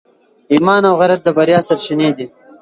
ایمان او غیرت د بریا سرچینې دي.